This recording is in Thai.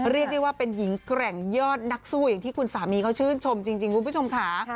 เรียกได้ว่าเป็นหญิงแกร่งยอดนักสู้อย่างที่คุณสามีเขาชื่นชมจริงคุณผู้ชมค่ะ